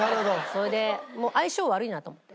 それでもう相性悪いなと思って。